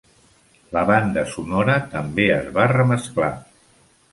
La banda sonora també es va remesclar.